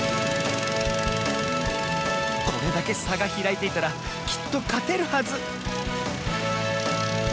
これだけさがひらいていたらきっとかてるはず